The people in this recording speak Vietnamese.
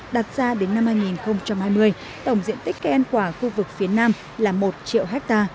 đặt ra đến năm hai nghìn hai mươi tổng diện tích cây ăn quả khu vực phía nam là một triệu hectare